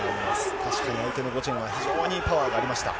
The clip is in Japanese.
確かに相手のゴジェンは、非常にパワーがありました。